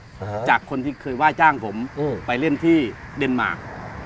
เบอร์โทรศัพท์จากคนที่เคยว่าจ้างผมไปเล่นที่เดนมาร์ค